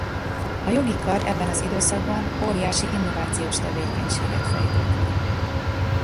A Jogi Kar ebben az időszakban óriási innovációs tevékenységet fejtett ki.